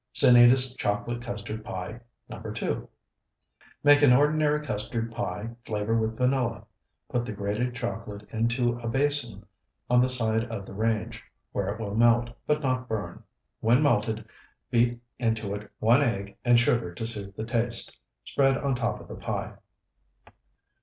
SANITAS CHOCOLATE CUSTARD PIE NO. 2 Make an ordinary custard pie, flavor with vanilla; put the grated chocolate into a basin on the side of the range, where it will melt, but not burn. When melted, beat into it one egg and sugar to suit the taste. Spread on top of the pie.